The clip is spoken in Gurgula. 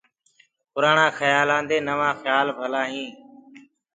پُرآڻآ کيآلآندي نوآ کيآل ڀلآ هينٚ۔